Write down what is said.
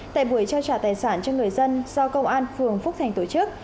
tại buổi trao trả tài sản cho người dân do công an phường phúc thành tổ chức